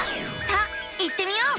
さあ行ってみよう！